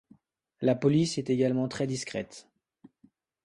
La police est également très discrète.